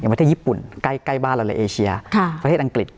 อย่างประเทศญี่ปุ่นใกล้ใกล้บ้านเราเลยเอเชียค่ะประเทศอังกฤษ